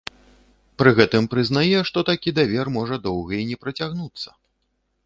Пры гэтым прызнае, што такі давер можа доўга і не працягнуцца.